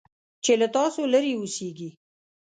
چې له تاسو لرې اوسيږي .